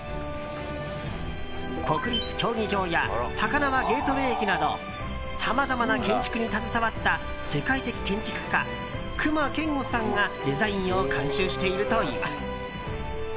国立競技場や高輪ゲートウェイ駅などさまざまな建築に携わった世界的建築家・隈研吾さんがデザインを監修しているといいます。